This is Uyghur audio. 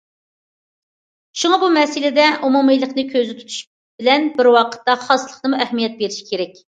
شۇڭا بۇ مەسىلىدە ئومۇمىيلىقنى كۆزدە تۇتۇش بىلەن بىر ۋاقىتتا خاسلىققىمۇ ئەھمىيەت بېرىش كېرەك.